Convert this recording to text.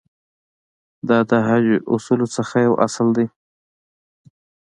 دا د حج اصولو څخه یو اصل دی.